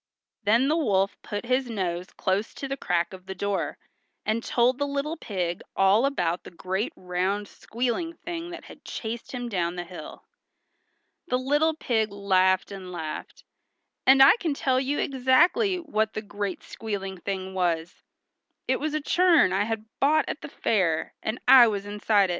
Then the wolf put his nose close to the crack of the door, and told the little pig all about the great round squealing thing that had chased him down the hill. The little pig laughed and laughed. "And I can tell you exactly what the great squealing thing was; it was a churn I had bought at the fair, and I was inside it."